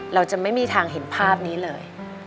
เราจะไม่มีทางเห็นภาพนี้เลย